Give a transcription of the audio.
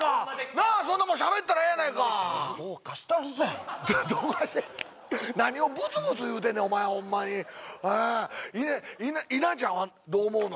なあそんなもんしゃべったらええやないかどうかしてるぜ何をブツブツ言うてんねんお前ホンマに稲ちゃんはどう思うの？